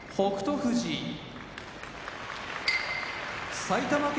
富士埼玉県出身